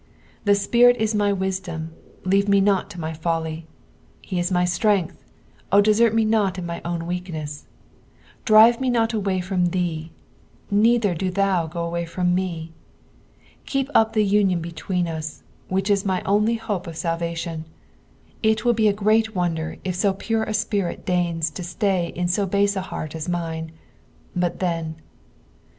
Thy Spirit is my wiadain, leave me not to my foliy ; he is my strength, O dceert me not to my own weakueas. Drive me not away from thee, neither do thou go away from me. Keep up the union between us, which ia my only hope of saivation. It will be a (irca' wonder if BO pure a spirit doig na to slay in bo biise a heart as mine ; but then.